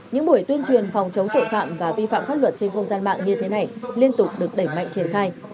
những buổi tuyên truyền phòng chống tội phạm và vi phạm pháp luật trên không gian mạng như thế này liên tục được đẩy mạnh triển khai